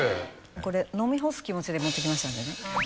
これ飲み干す気持ちで持ってきましたんでね